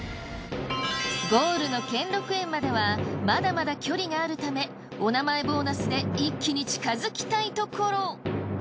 ゴールの兼六園まではまだまだ距離があるためお名前ボーナスで一気に近づきたいところ。